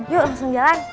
yuk langsung jalan